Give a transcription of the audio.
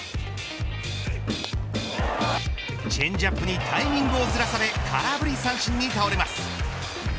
チェンジアップにタイミングをずらされ空振り三振に倒れます。